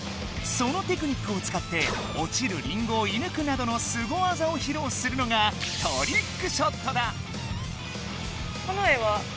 そのテクニックを使って落ちるリンゴを射抜くなどのスゴ技をひろうするのがトリックショットだ！